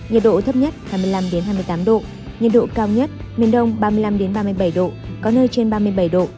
nhiệt độ thấp nhất hai mươi năm hai mươi tám độ nhiệt độ cao nhất miền đông ba mươi năm ba mươi bảy độ có nơi trên ba mươi bảy độ